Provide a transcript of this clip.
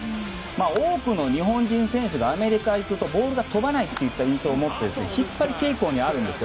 多くの日本人選手がアメリカに行くとボールが飛ばないといった印象を持って引っ張り傾向にあるんです。